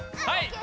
はい！